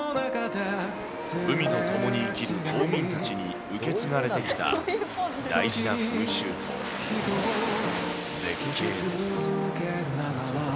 海と共に生きる島民たちに受け継がれてきた大事な風習と絶景です。